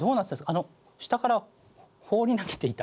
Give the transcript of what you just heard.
あの下から放り投げていた？